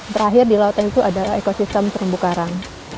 terakhir di lautan itu adalah ekosistem terumbu karang